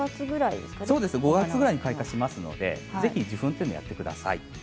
５月ぐらいに開花しますのでぜひ受粉をしてください。